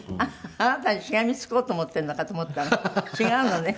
あなたにしがみつこうと思っているのかと思ったら違うのね。